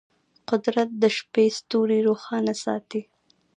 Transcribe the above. قدرت د شپې ستوري روښانه ساتي.